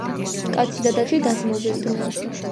კაცი და დათვი დაძმობილდენ